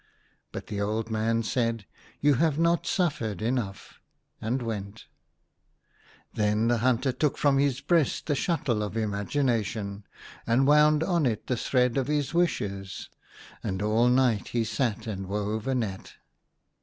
But the man said, " You have not suffered enough," and went Then the hunter took from his breast the shuttle of Imagination, and wound THE HUNTER. on it the thread of his Wishes ; and all night he sat and wove a net.